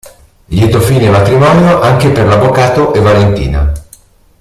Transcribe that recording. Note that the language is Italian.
Lieto fine e matrimonio anche per l'avvocato e Valentina.